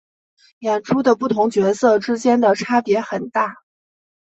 演出的不同角色之间的差别很大。